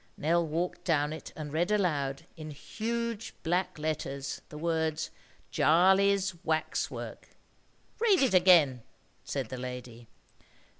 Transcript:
Nell walked down it, and read aloud, in huge black letters, the words "JARLEY'S WAX WORK." "Read it again," said the lady.